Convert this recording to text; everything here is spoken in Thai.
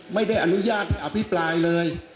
ไม่ได้อนุญาตให้อภิปรายเลย